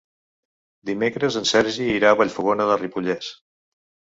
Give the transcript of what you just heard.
Dimecres en Sergi irà a Vallfogona de Ripollès.